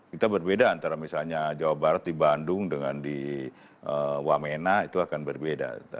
kita berbeda antara misalnya jawa barat di bandung dengan di wamena itu akan berbeda